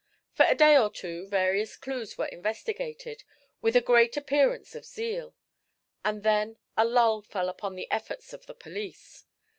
For a day or two various clues were investigated, with a great appearance of zeal; and then a lull fell upon the efforts of the police.